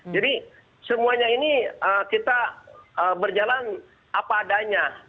jadi semuanya ini kita berjalan apa adanya